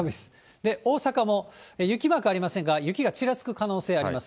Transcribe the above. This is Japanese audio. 大阪も雪マークありませんが、雪がちらつく可能性があります。